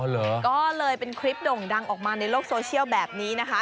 ก็เลยเป็นคลิปโด่งดังออกมาในโลกโซเชียลแบบนี้นะคะ